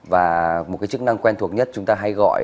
và một cái chức năng quen thuộc nhất chúng ta hay gọi